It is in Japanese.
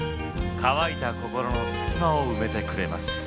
乾いた心の隙間を埋めてくれます。